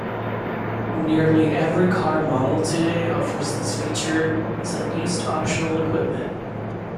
Nearly every car model today offers this feature as at least optional equipment.